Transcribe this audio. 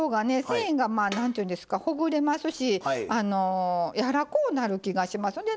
繊維がまあ何ていうんですかほぐれますし柔らこうなる気がしますね。